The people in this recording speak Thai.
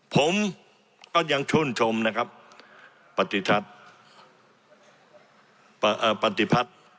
ผมก็ยังชุดชมนะครับปฏิภัทธ์